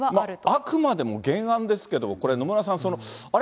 あくまでも原案ですけど、これ、野村さん、あれ？